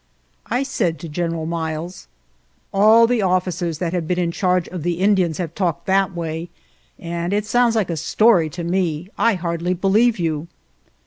I said to General Miles: "All the of ficers that have been in charge of the Indians have talked that way, and it sounds like a story to me; I hardly believe you."